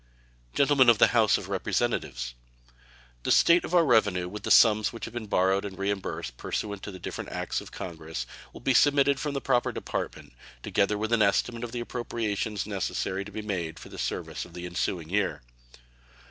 Gentlemen of the House of Representatives: The state of our revenue, with the sums which have been borrowed and reimbursed pursuant to different acts of Congress, will be submitted from the proper Department, together with an estimate of the appropriations necessary to be made for the service of the ensuing year.